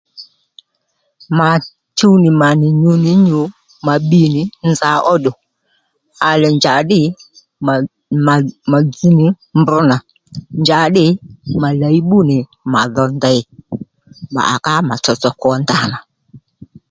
Mà chuw nì mà nì nyǔ nì nyû mà bbi nì nza óddù à lè njàddî mà mà mà dzz nì mb nà njàddî mà làyi bbú nì mà dho ndey mà à ká mà tsotso kwo ndanà